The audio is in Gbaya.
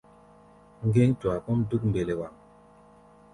Ŋgéŋ-tua kɔ́ʼm dúk mbelewaŋ.